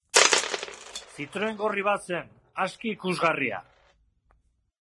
Citroen gorri bat zen, aski ikusgarria.